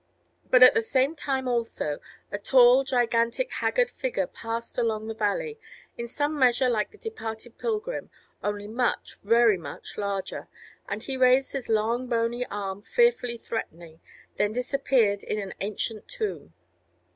But at the same time also, a tall, gigantic, haggard figure passed along the valley, in some measure like the departed pilgrim, only much, very much, larger, and he raised his long bony arm fearfully threatening, then disappeared in an ancient tomb.